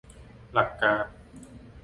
หลักการ